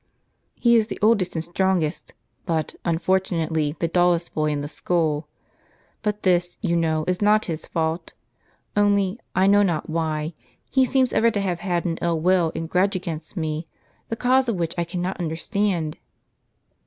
"He is the oldest and strongest, but, unfortunately, the dullest boy in the school. But this, you know, is not his fault. Only, I know not why, he seems ever to have had an ill will and grudge against me, the cause of which I cannot understand."